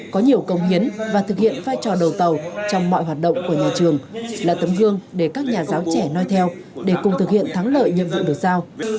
có nhiều công hiến và thực hiện vai trò đầu tàu trong mọi hoạt động của nhà trường là tấm gương để các nhà giáo trẻ nói theo để cùng thực hiện thắng lợi nhiệm vụ được giao